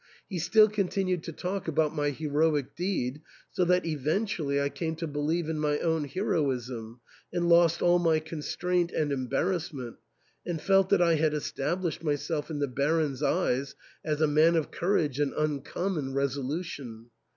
He still continued to talk about my heroic deed, so that eventually I came to believe in my own heroism, and lost all my constraint and embarrassment, and felt that I had established myself in the Baron's eyes as a man of courage and uncommon resolution.